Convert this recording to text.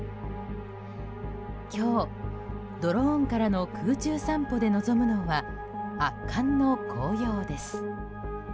今日、ドローンからの空中散歩で望むのは圧巻の紅葉です。